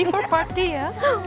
siap untuk parti ya